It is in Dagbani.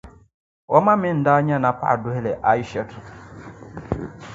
O ma mi n-daa nyɛ Napaɣi Duhili Ayishetu.